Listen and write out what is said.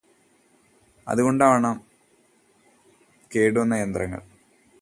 അതു കൊണ്ടാവണം കേടുവന്ന യന്ത്രങ്ങള്